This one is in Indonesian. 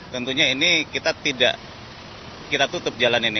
tentunya ini kita tidak kita tutup jalan ini